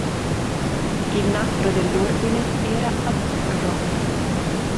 Il "nastro" dell'Ordine era azzurro.